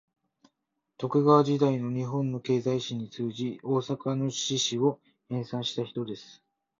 徳川時代の日本の経済史に通じ、大阪の市史を編纂した人です